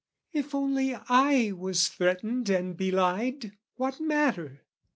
If only I was threatened and belied, What matter?